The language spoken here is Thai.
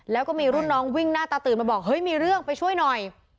แล้วก็มีรุ่นน้องวิ่งหน้าตาตื่นมาบอกเฮ้ยมีเรื่องไปช่วยหน่อย